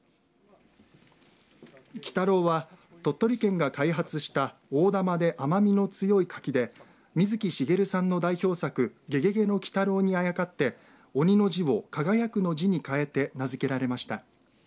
輝太郎は、鳥取県が開発した大玉で甘みの強い柿で水木しげるさんの代表作ゲゲゲの鬼太郎にあやかって鬼の字を、輝くの字に変えて名付けられました。